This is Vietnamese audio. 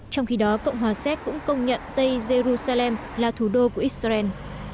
trong khi đó cộng hòa séc cũng công nhận tây jerusalem là thủ đô của israel